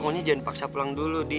maunya jangan paksa pulang dulu di